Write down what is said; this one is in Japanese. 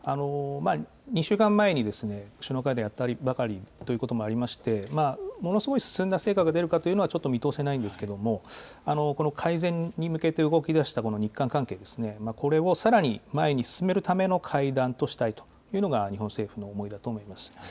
２週間前に、首脳会談やったばかりということもありまして、ものすごい進んだ成果が出るかというのは、ちょっと見通せないんですけれども、この改善に向けて動き出した日韓関係ですね、これをさらに前に進めるための会談としたいというのが日本政府の思いだと思います。